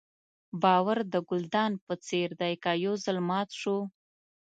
باور د ګلدان په څېر دی که یو ځل مات شو.